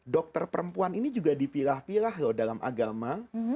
dokter perempuan ini juga dipilah pilah loh dalam agama